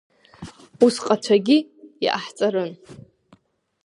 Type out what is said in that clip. Усҟацәагьы иаҳҵарын!